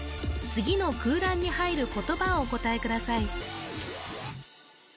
次の空欄に入る言葉をお答えください